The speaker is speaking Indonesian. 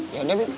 ya udah beb